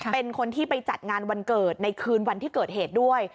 เป็นคนที่ไปจัดงานวันเกิดในคืนวันที่เกิดเหตุด้วย